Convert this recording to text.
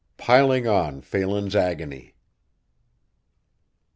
PILING ON PHELAN'S AGONY.